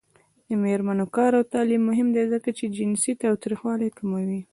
د میرمنو کار او تعلیم مهم دی ځکه چې جنسي تاوتریخوالی کموي.